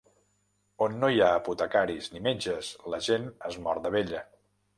On no hi ha apotecaris ni metges la gent es mor de vella.